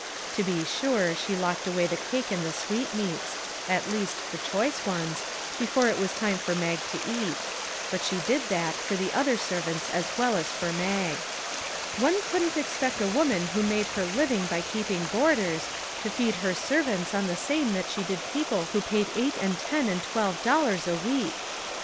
To be sure, she locked away the cake and the sweetmeats at least, the choice ones before it was time for Mag to eat; but she did that for the other servants as well as for Mag. " One couldn't expect a woman who made her living by keeping boarders, to feed her servants on the same that she did people who paid eight and ten and twelve dollars a week."